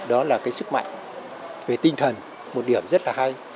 đó là cái sức mạnh về tinh thần một điểm rất là hay